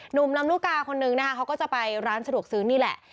หนุ่มลำลูกกาคนนึงนะคะเขาก็จะไปร้านสะดวกซื้อนี่แหละ